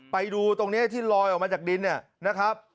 ไปดูตรงนี้ที่ลอยออกมาจากดินเนี่ยนะครับ